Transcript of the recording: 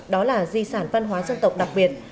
đó là di sản văn hóa dân tộc đặc biệt